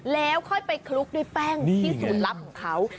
แล้วค่อยไปคลุกด้วยแป้งที่สูตรลับของเขา